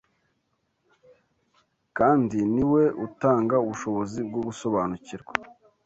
kandi ni we utanga ubushobozi bwo gusobanukirwa